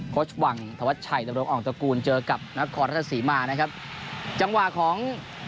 ครอชวังธวัชชัยตระบบองตระกูลเจอกับนครรภาษีมานะครับจังหวะของ